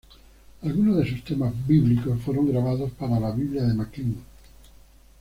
Algunos de sus temas bíblicos fueron grabados para la Biblia de Macklin.